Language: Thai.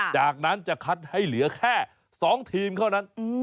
จากนั้นจะคัดให้เหลือแค่๒ทีมเท่านั้น